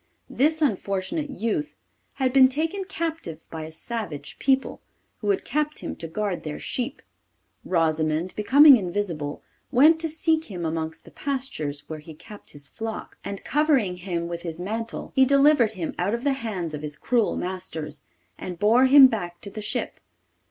This unfortunate youth had been taken captive by a savage people, who had kept him to guard their sheep. Rosimond, becoming invisible, went to seek him amongst the pastures, where he kept his flock, and, covering him with his mantle, he delivered him out of the hands of his cruel masters, and bore him back to the ship.